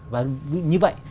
và như vậy